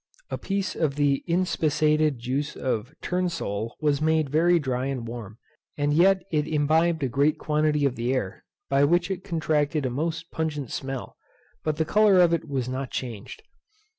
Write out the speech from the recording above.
A piece of the inspissated juice of turnsole was made very dry and warm, and yet it imbibed a great quantity of the air; by which it contracted a most pungent smell, but the colour of it was not changed.